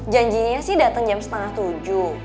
janjinya sih datang jam setengah tujuh